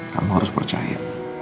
kamu harus percaya